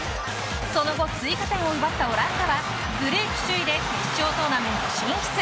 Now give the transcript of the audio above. その後追加点を奪ったオランダはグループ首位で決勝トーナメント進出。